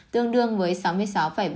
tương đương với sáu mươi sáu ba